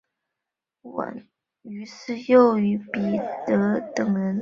金万燮于是又与彼得等人重逢。